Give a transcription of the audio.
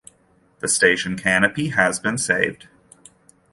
The station canopy has been saved.